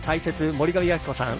森上亜希子さん